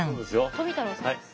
富太郎さんです。